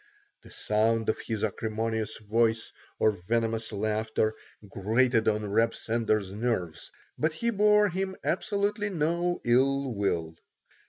The sound of his acrimonious voice or venomous laughter grated on Reb Sender's nerves, but he bore him absolutely no ill will.